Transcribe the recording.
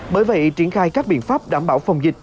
bởi vậy triển khai các biện pháp đảm bảo phòng dịch